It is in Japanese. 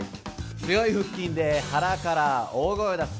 強い腹筋で腹から大声を出す。